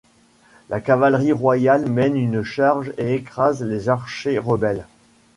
La cavalerie royale mène une charge et écrase les archers rebelles.